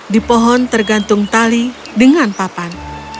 di pohon tergantung tali dengan papan